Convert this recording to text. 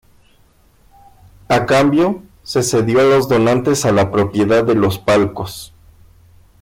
A cambio, se cedió a los donantes a la propiedad de los Palcos.